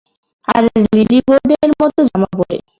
আর Lizzie বোর্ডেনের মতো জামা পরে।